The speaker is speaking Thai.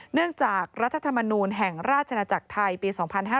เนื่องจากรัฐธรรมนูลแห่งราชนาจักรไทยปี๒๕๕๙